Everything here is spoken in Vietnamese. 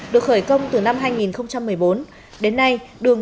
được khởi công từ năm hai nghìn một mươi bốn